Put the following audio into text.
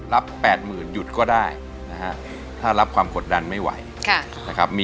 แปดหมื่นหยุดก็ได้นะฮะถ้ารับความกดดันไม่ไหวนะครับ